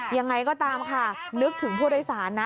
ยังไงก็ตามค่ะนึกถึงผู้โดยสารนะ